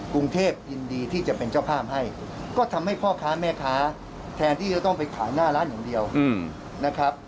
กรุงเทพยินดีที่จะเป็นเจ้าภาพให้ก็ทำให้พ่อค้าแม่ค้าแทนที่จะต้องไปขายหน้าร้านอย่างเดียวนะครับ